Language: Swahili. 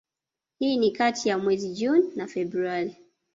hii ni kati ya mwezi Juni na Februari